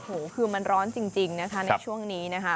โอ้โหคือมันร้อนจริงนะคะในช่วงนี้นะคะ